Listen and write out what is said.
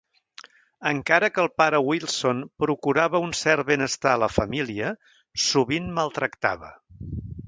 Encara que el pare Wilson procurava un cert benestar a la família, sovint maltractava.